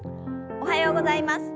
おはようございます。